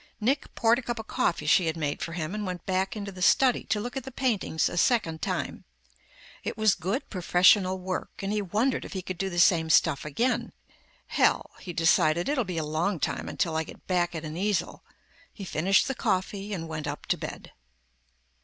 Nick poured a cup of the coffee she had made for him and went back into the study to look at the paintings a second time. It was good, professional work, and he wondered if he could do the same stuff again. Hell, he decided, it'll be a long time until I get back at an easel. He finished the coffee and went up to bed.